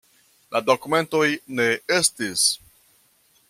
La dokumentoj ne estis.